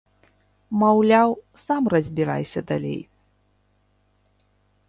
Маўляў, сам разбірайся далей.